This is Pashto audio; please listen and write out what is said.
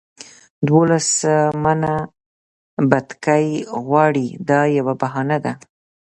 دولس منه بتکۍ غواړي دا یوه بهانه ده.